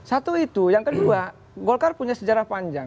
satu itu yang kedua golkar punya sejarah panjang